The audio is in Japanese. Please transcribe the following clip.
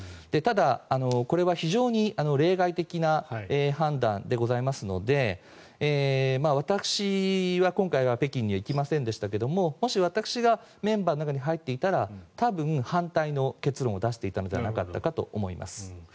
ただこれは非常に例外的な判断でございますので私は今回は北京には行きませんでしたがもし私がメンバーの中に入っていたら多分、反対の結論を出していたのではなかったかと思います。